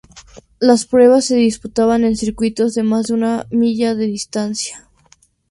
Las pruebas se disputaban en circuitos de más de una milla de distancia.